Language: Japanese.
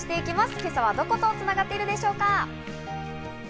今朝はどこと繋がっているでしょうか？